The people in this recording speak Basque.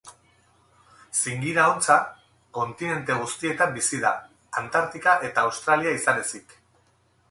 Zingira-hontza kontinente guztietan bizi da, Antartika eta Australia izan ezik.